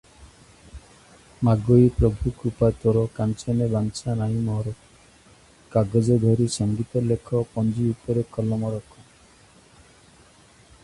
Woodward named the street for himself, responding whimsically to the resulting criticism: Not so.